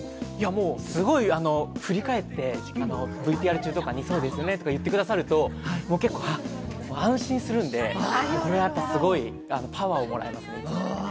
すごい振り返って、ＶＴＲ中とかにそうですよねって言ってくださると、けっこう安心するんで、それはやっぱり、すごいパワーをもらいますね、いつも。